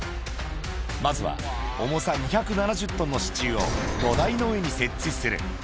まずは重さ２７０トンの支柱を土台の上に設置する。